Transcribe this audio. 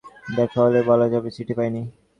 দেখা হলে বলা যাবে-চিঠি পাই নি!